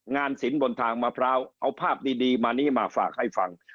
สินบนทางมะพร้าวเอาภาพดีมานี้มาฝากให้ฟัง